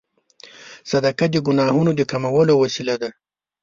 صدقه د ګناهونو د کمولو وسیله ده.